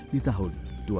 di tahun dua ribu lima belas